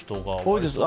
多いです。